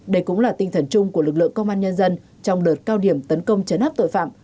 đây cũng là tinh thần chung của lực lượng công an nhân dân trong đợt cao điểm tấn công chấn áp tội phạm